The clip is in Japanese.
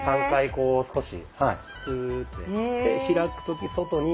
こう少しスーッてやって開く時外に。